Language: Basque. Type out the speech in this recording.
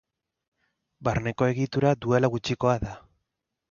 Barneko egitura duela gutxikoa da.